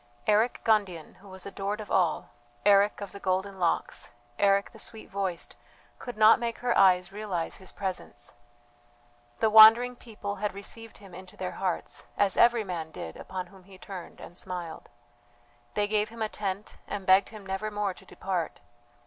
Eric Gundian, who was adored of all Eric of the golden locks, Eric the sweet voiced, could not make her eyes realize his presence. The wandering people had received him into their hearts, as every man did upon whom he turned and smiled. They gave him a tent and begged him never more to depart.